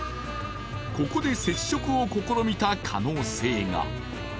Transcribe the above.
ここで接触を試みた可能性が。